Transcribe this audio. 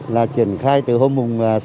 là triển khai từ hôm sáu